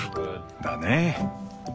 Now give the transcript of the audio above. だね。